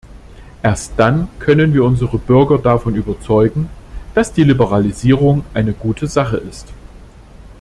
Erst dann können wir unsere Bürger davon überzeugen, dass Liberalisierung eine gute Sache ist.